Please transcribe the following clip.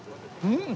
うん！